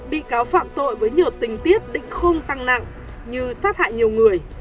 bị cáo phạm tội với nhiều tình tiết định khung tăng nặng như sát hại nhiều người